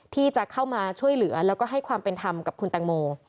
ที่จะเข้ามาช่วยเหลือแล้วก็ให้ความเป็นธรรมกับคุณแตงโม